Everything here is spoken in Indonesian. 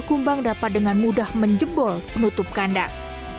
kumbang dapat dengan mudah menjebol penutup kandang